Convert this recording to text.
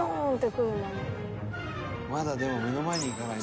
「まだでも目の前に行かないと」